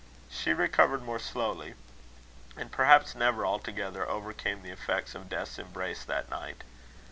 She recovered more slowly, and perhaps never altogether overcame the effects of Death's embrace that night.